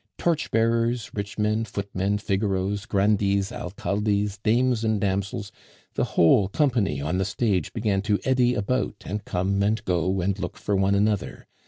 Torchbearers, rich men, footmen, Figaros, grandees, alcaldes, dames, and damsels the whole company on the stage began to eddy about, and come and go, and look for one another.